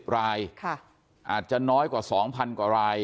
รายอาจจะน้อยกว่า๒๐๐กว่าราย